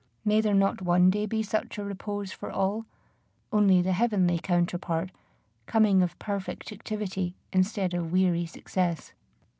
May there not one day be such a repose for all, only the heavenly counterpart, coming of perfect activity instead of weary success?